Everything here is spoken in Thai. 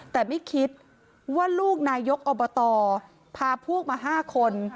แต่ไม่คิดว่าลูกนายกอบตพาพวกมา๕คน